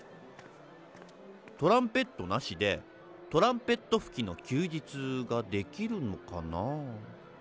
トランペットなしで「トランペット吹きの休日」ができるのかな。